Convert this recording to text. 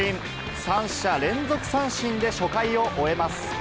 三者連続三振で初回を終えます。